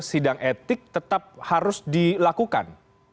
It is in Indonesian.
sidang etik tetap harus dilakukan